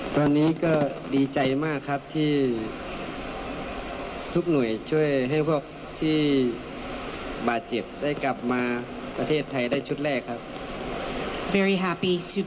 ตอนนี้ก็ดีใจมากครับที่ทุกหน่วยช่วยให้พวกที่บาดเจ็บได้กลับมาประเทศไทยได้ชุดแรกครับ